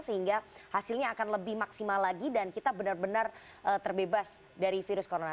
sehingga hasilnya akan lebih maksimal lagi dan kita benar benar terbebas dari virus corona